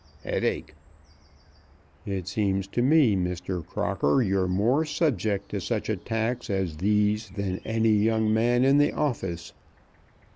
"Headache." "It seems to me, Mr. Crocker, you're more subject to such attacks as these than any young man in the office."